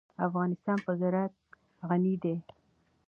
افغانستان په زراعت غني دی.